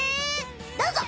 どうぞ！